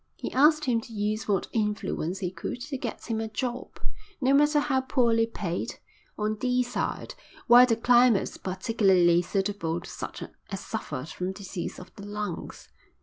He asked him to use what influence he could to get him a job, no matter how poorly paid, on Deeside, where the climate was particularly suitable to such as suffered from diseases of the lungs.